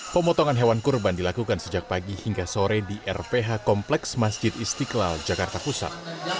pemotongan hewan kurban dilakukan sejak pagi hingga sore di rph kompleks masjid istiqlal jakarta pusat